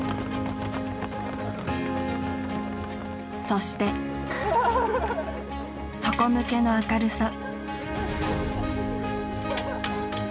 そして底抜けの明るさ！